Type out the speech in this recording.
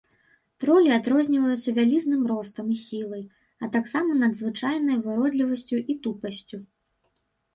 Тролі адрозніваюцца вялізным ростам і сілай, а таксама надзвычайнай выродлівасцю і тупасцю.